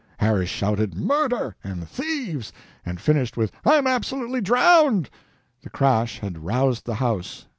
Harris shouted "murder," and "thieves," and finished with "I'm absolutely drowned." The crash had roused the house.